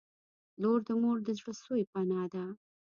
• لور د مور د زړسوي پناه ده.